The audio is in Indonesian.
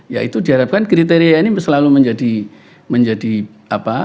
ya itu diharapkan kriteria ini selalu menjadi apa